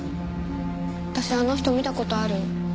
私あの人見た事ある。